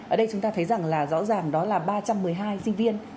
ở đây chúng ta thấy rằng là rõ ràng đó là ba trăm một mươi hai sinh viên